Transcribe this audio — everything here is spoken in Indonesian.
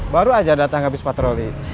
baru aja datang habis patroli